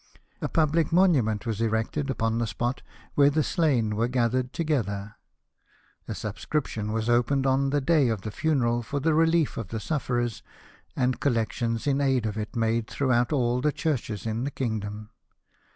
A public monument was erected upon the spot where the slain were gathered together. A subscription was opened on the day of the funeral for the relief of the sufferers, and collections in aid of it made throughout all the churches in the kingdom.